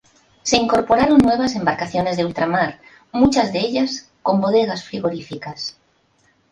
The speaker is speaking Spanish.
Se incorporaron nuevas embarcaciones de ultramar, muchas de ellas con bodegas frigoríficas.